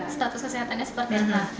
status kesehatannya seperti apa